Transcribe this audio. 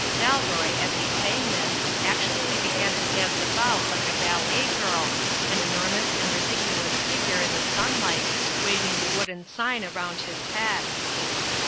Dalroy, as he sang this, actually began to dance about like a ballet girl, an enormous and ridiculous figure in the sunlight, waving the wooden sign around his head.